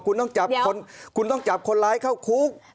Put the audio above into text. คุณต้องจับคนคุณต้องจับคนร้ายเข้าคุก